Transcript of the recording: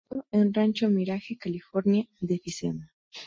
Falleció en Rancho Mirage, California, de enfisema.